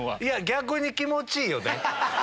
逆に気持ちいいよね。